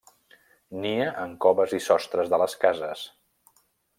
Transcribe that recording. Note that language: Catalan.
Nia en coves i sostres de les cases.